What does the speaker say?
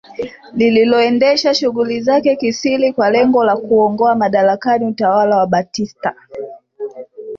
Lililoendesha shughuli zake kisiri kwa lengo la kuungoa madarakani utawala wa Batista